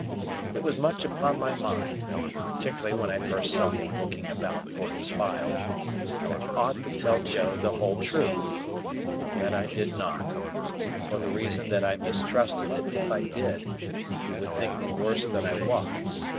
It was much upon my mind (particularly when I first saw him looking about for his file) that I ought to tell Joe the whole truth. Yet I did not, and for the reason that I mistrusted that if I did, he would think me worse than I was.